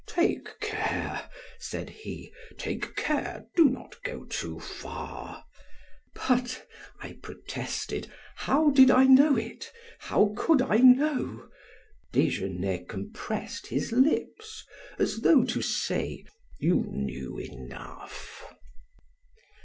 "Take care," said he, "take care, do not go too far." "But," I protested, "how did I know it, how could I know " Desgenais compressed his lips as though to say: "You knew enough."